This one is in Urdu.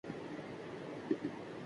جو فکر کی سرعت میں بجلی سے زیادہ تیز